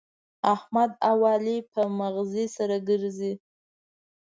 احمد او علي په مغزي سره ګرزي.